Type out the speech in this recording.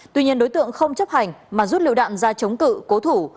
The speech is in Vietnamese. tuy nhiên đối tượng không chấp hành mà rút liều đạn ra chống cự cố thủ